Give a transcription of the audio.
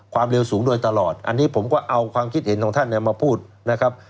ความเร็วสูงโดยตลอดอันนี้ผมก็เอาความคิดเห็นของท่านมาพูดนะครับ